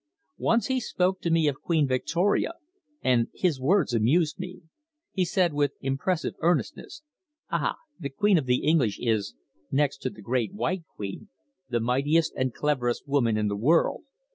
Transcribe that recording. Once he spoke to me of Queen Victoria, and his words amused me. He said with impressive earnestness: "Ah! The Queen of the English is, next to the Great White Queen, the mightiest and cleverest woman in the world.